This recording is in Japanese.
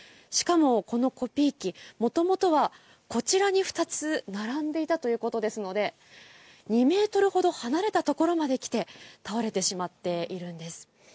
しかもこのコピー機、もともとはこちらに２つ並んでいたということですので、２メートルほど離れたところまで来て倒れてしまっているんです。